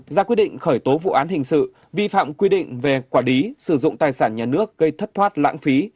một giả quyết định khởi tố vụ án hình sự vi phạm quyết định về quả đí sử dụng tài sản nhà nước gây thất thoát lãng phí